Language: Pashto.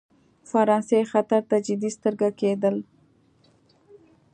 فرانسې خطر ته جدي سترګه کېدل.